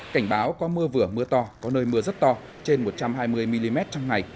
cảnh báo có mưa vừa mưa to có nơi mưa rất to trên một trăm hai mươi mm trong ngày